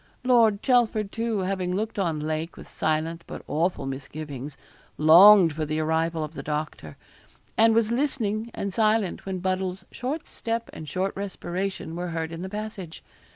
Lord Chelford, too, having looked on Lake with silent, but awful misgivings, longed for the arrival of the doctor; and was listening and silent when Buddle's short step and short respiration were heard in the passage.